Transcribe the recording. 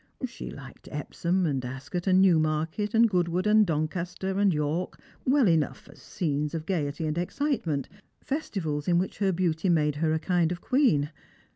She liked Epsom and Ascot and Newmarket and Goodwood and Doncaster and York well enough as scenes of gaiety and excitement — festivals in which her beauty made her a kind of queen.